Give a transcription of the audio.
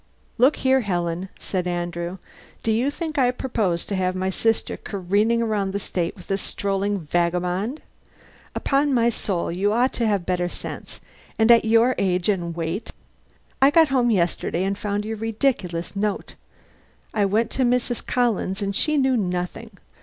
"Look here, Helen," said Andrew, "do you think I propose to have my sister careering around the State with a strolling vagabond? Upon my soul you ought to have better sense and at your age and weight! I got home yesterday and found your ridiculous note. I went to Mrs. Collins, and she knew nothing.